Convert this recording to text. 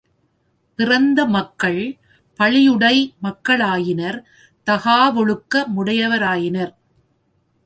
பிறந்த மக்கள், பழியுடை மக்களாயினர் தகாவொழுக்க முடையராயினர்.